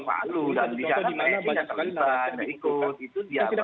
contoh dimana banyak sekali narasi yang ikut